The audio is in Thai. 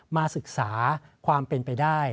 มาศึกษาความเป็นไปได้